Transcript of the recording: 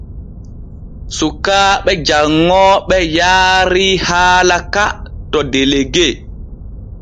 Sukaaɓe janŋooɓe yaarii haala ka to delegue.